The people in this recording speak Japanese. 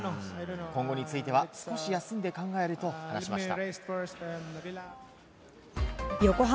今後については少し休んで考えると話しました。